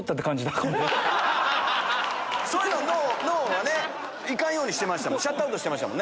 そういうの脳はね行かんようにしてましたもんね。